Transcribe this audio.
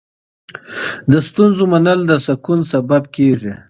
د ستونزو منل د سکون سبب کېږي.